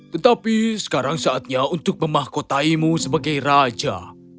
tetapi sekarang saatnya untuk memahkotaimu sebagai raja